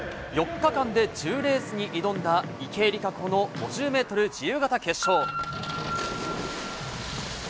４日間で１０レースに挑んだ池江璃花子の５０メートル自由形決勝。